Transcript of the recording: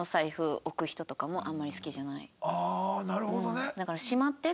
ああなるほどね。